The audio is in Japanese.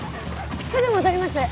すぐ戻ります。